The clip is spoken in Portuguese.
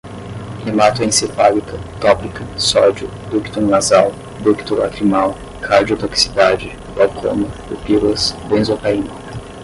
hematoencefálica, tópica, sódio, ducto nasal, ducto lacrimal, cardiotoxicidade, glaucoma, pupilas, benzocaína